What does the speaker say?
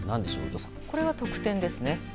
これは特典ですね。